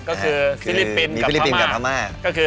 ก็คือฟิริปันกับพม่า